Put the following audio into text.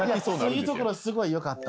そういうところすごいよかった。